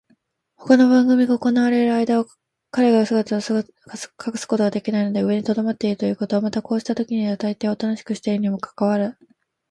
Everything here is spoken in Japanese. ほかの番組が行われるあいだは、彼が姿を隠すことができないので上にとどまっているということ、またこうしたときにはたいていはおとなしくしているにもかかわらず、